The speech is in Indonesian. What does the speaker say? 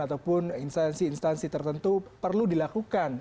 ataupun instansi instansi tertentu perlu dilakukan